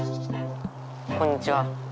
こんにちは。